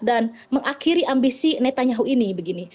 dan mengakhiri ambisi netanyahu ini